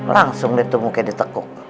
langsung liat tuh muka ditekuk